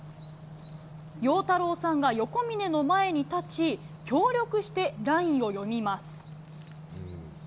陽太郎さんが横峯の前に立ち、協力してラインを読みます。